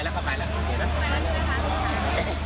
ขอบคุณค่ะ